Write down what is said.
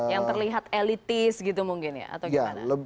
yang terlihat elitis gitu mungkin ya atau gimana